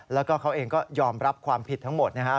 แล้วก็เขาเองก็ยอมรับความผิดทั้งหมดนะฮะ